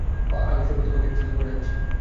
অগষ্টের প্রথম ভাগে চিকাগো যাচ্ছি।